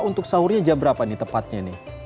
untuk sahurnya jam berapa nih tepatnya nih